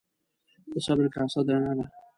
د صبر کاسه درنه ده.